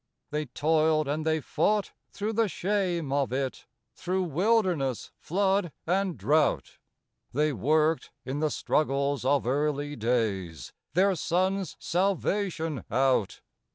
They toiled and they fought through the shame of it Through wilderness, flood, and drought; They worked, in the struggles of early days, Their sons' salvation out.